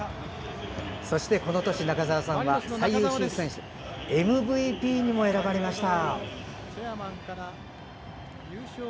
そしてこの年、中澤さんは最優秀選手＝ＭＶＰにも選ばれました。